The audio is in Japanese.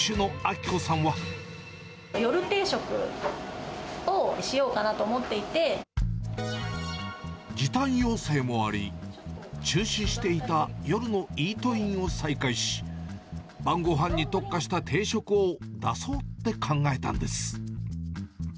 夜定食をしようかなと思って時短要請もあり、中止していた夜のイートインを再開し、晩ごはんに特化した定食を出そうって考えたんです。